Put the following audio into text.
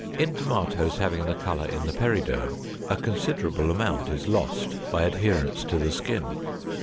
In tomatoes having the color in the periderm a considerable amount is lost by adherence to the skin.